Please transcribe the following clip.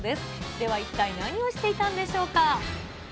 では一体、何をしていたんでしょうか。